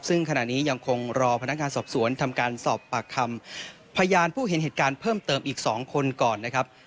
ซึ่งขณะนี้ยังคงรอพนักงานสอบสวนทำการสอบปากคำพยานผู้เห็นเหตุการณ์เพิ่มเติมอีก๒คนก่อนนะครับ